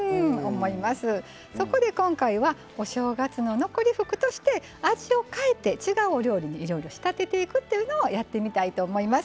そこで今回は「お正月の残り福」として味を変えて違うお料理にいろいろ仕立てていくというのをやってみたいと思います。